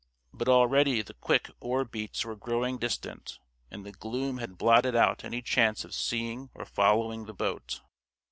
But already the quick oar beats were growing distant; and the gloom had blotted out any chance of seeing or following the boat.